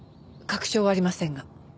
確証はありませんが。